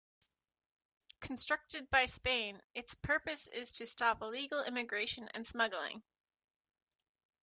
Constructed by Spain, its purpose is to stop illegal immigration and smuggling.